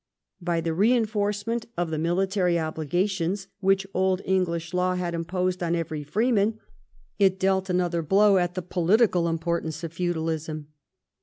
By the reinforcement of the military obligations which old English law had imposed on every freeman, it dealt another blow at the political importance of feudalism.